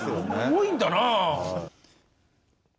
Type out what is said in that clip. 重いんだなぁ。